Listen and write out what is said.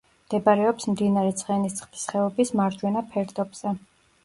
მდებარეობს მდინარე ცხენისწყლის ხეობის მარჯვენა ფერდობზე.